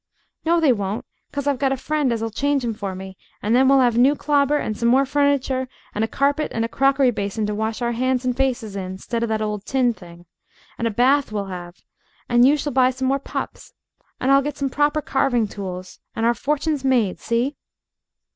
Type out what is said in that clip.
"No, they won't. 'Cause I've got a friend as'll change 'em for me, and then we'll 'ave new clobber and some more furniture, and a carpet and a crockery basin to wash our hands and faces in 'stead of that old tin thing. And a bath we'll 'ave. And you shall buy some more pups. And I'll get some proper carving tools. And our fortune's made. See?"